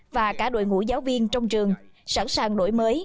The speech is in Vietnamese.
và cả đội ngũ giáo viên trong trường sẵn sàng đổi mới